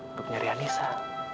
untuk nyari anissa